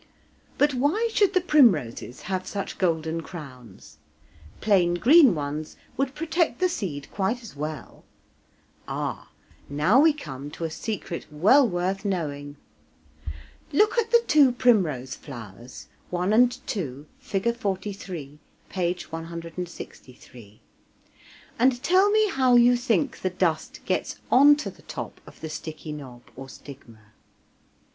But why should the primroses have such golden crowns? plain green ones would protect the seed quite as well. Ah! now we come to a secret well worth knowing. Look at the two primrose flowers, 1 and 2, Fig. 43, p. 163, and tell me how you think the dust gets on to the top of the sticky knob or stigma.